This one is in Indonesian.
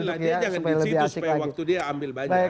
jangan disitu supaya waktu dia ambil banyak